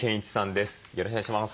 よろしくお願いします。